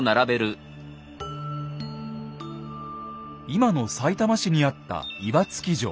今のさいたま市にあった岩槻城。